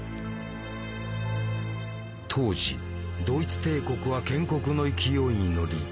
当時ドイツ帝国は建国の勢いに乗り